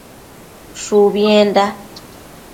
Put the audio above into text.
Shubienda